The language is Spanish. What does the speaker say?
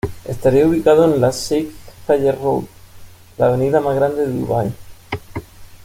Estaría ubicado en la Sheikh Zayed Road, la avenida más grande de Dubái.